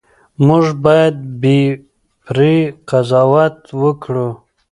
موږ باید بې پرې قضاوت وکړو.